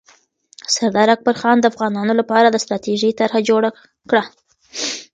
سردار اکبرخان د افغانانو لپاره د ستراتیژۍ طرحه جوړه کړه.